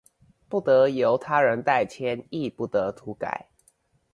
不得由他人代簽亦不得塗改